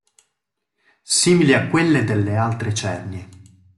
Simili a quelle delle altre cernie.